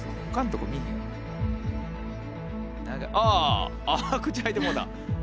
長いああっ口開いてもうた。